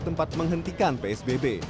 tempat menghentikan psbb